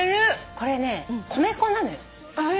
これね米粉なのよ。